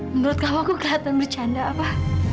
menurut kamu aku kelihatan bercanda apa